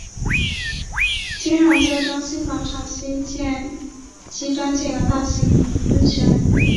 金融街中心广场西端建有大型喷泉。